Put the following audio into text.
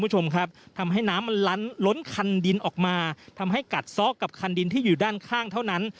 ให้กัดซ้อกกับคันดินที่อยู่ด้านข้างเท่านั้น